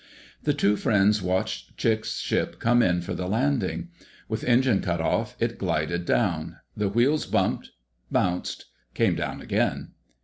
The two friends watched Chick's ship come in for the landing. With engine cut off, it glided down. The wheels bumped—bounced—came down again.